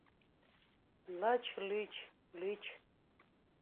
— Лыч-лӱч, лӱч!..